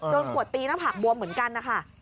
โดนขวดตีหน้าผากบวมเหมือนกันนะคะ